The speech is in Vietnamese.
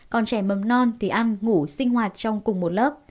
còn trẻ mầm non thì ăn ngủ sinh hoạt trong cùng một lớp